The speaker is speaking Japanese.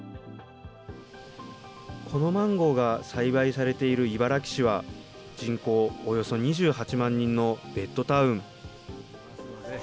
このマンゴーが栽培されている茨木市は、人口およそ２８万人のベッドタウン。